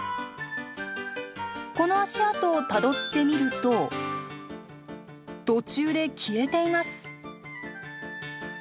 この足跡をたどってみると途中で消えています。